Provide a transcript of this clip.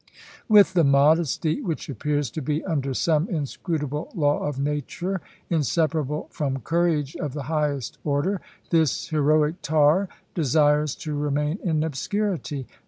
With the modesty which appears to be, under some inscrutable law of nature, inseparable from courage of the highest order, this heroic tar desires to remain in obscurity.